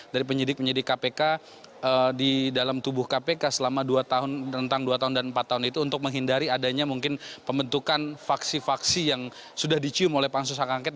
dari penyidik penyidik kpk di dalam tubuh kpk selama dua tahun rentang dua tahun dan empat tahun itu untuk menghindari adanya mungkin pembentukan faksi faksi yang sudah dicium oleh pansus hak angket